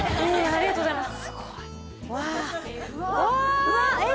ありがとうございます。